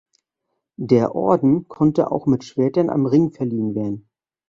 Der Orden konnte auch mit Schwertern am Ring verliehen werden.